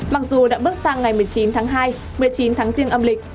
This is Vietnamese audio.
mặc dù đã bước sang ngày một mươi chín tháng hai một mươi chín tháng riêng âm lịch